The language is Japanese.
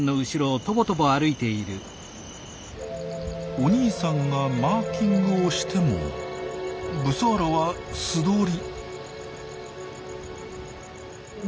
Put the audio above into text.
お兄さんがマーキングをしてもブサーラは素通り。